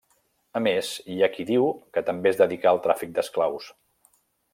A més, hi ha qui diu que també es dedicà al tràfic d'esclaus.